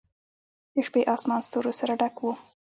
د شپې آسمان ستورو سره ډک و.